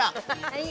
はい。